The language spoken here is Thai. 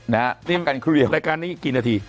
นี่รายการนี้กี่นาที